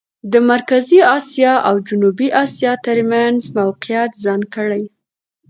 د مرکزي اسیا او جنوبي اسیا ترمېنځ موقعیت ځان کړي.